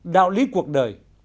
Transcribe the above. đạo lý cuộc đời